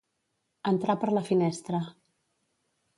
Entrar per la finestra.